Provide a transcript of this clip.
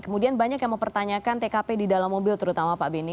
kemudian banyak yang mempertanyakan tkp di dalam mobil terutama pak benny